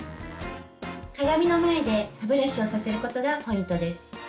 鏡の前で歯ブラシをさせることがポイントです。